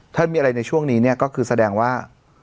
ถ้ามีอะไรในช่วงนี้เนี่ยก็คือแสดงว่า